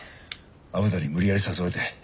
虻田に無理やり誘われて。